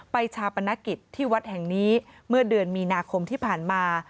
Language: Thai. ชาปนกิจที่วัดแห่งนี้เมื่อเดือนมีนาคมที่ผ่านมา